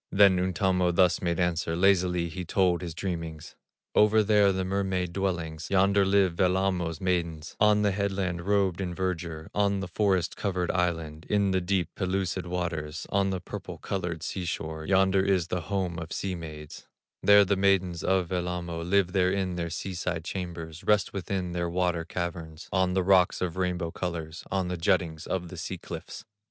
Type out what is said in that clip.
Then Untamo thus made answer, Lazily he told his dreamings: "Over there, the mermaid dwellings, Yonder live Wellamo's maidens, On the headland robed in verdure, On the forest covered island, In the deep, pellucid waters, On the purple colored sea shore; Yonder is the home of sea maids, There the maidens of Wellamo, Live there in their sea side chambers, Rest within their water caverns, On the rocks of rainbow colors, On the juttings of the sea cliffs."